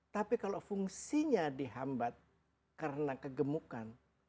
tapi kalau fungsinya dihambat karena kegemukan